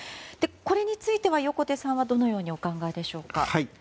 これについては横手さんはどのようにお考えでしょうか。